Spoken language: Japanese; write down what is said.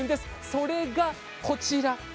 それがこちらです。